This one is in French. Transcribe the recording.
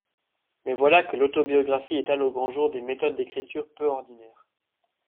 Mais voilà que l'autobiographie étale au grand jour des méthodes d'écriture peu ordinaires.